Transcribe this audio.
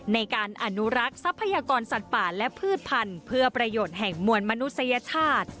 ในการอนุรักษ์ทรัพยากรสัตว์ป่าและพืชพันธุ์เพื่อประโยชน์แห่งมวลมนุษยชาติ